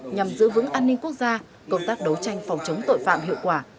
nhằm giữ vững an ninh quốc gia công tác đấu tranh phòng chống tội phạm hiệu quả